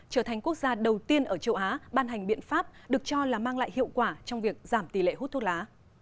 trở thành quốc gia đầu tiên ở châu á ban hành biện pháp được cho là mang lại hiệu quả trong việc giảm tỷ lệ hút thuốc lá